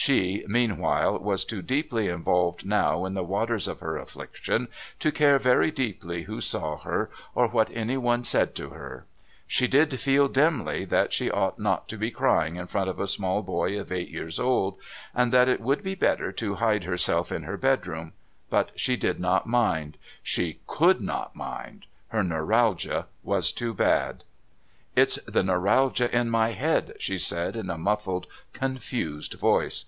She, meanwhile, was too deeply involved now in the waters of her affliction to care very deeply who saw her or what anyone said to her. She did feel dimly that she ought not to be crying in front of a small boy of eight years old, and that it would be better to hide herself in her bedroom, but she did not mind she COULD not mind her neuralgia was too bad. "It's the neuralgia in my head," she said in a muffled confused voice.